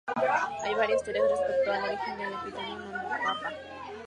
Hay varias teorías respecto al origen del epíteto "non Papa".